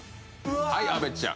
はい阿部ちゃん